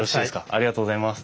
ありがとうございます。